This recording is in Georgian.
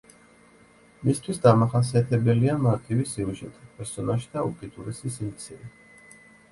მისთვის დამახასიათებელია მარტივი სიუჟეტი, პერსონაჟთა უკიდურესი სიმცირე.